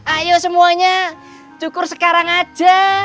ayo semuanya cukur sekarang aja